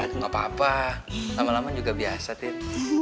gak apa apa lama lama juga biasa tin